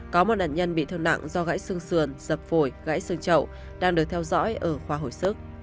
có một nạn nhân bị thương nặng do gãy xương sườn dập phổi gãy xương trậu đang được theo dõi ở khoa hồi sức